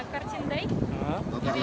hari ini adalah hari kartini